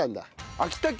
秋田県。